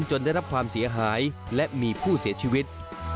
ได้รับความเสียหายและมีผู้เสียชีวิต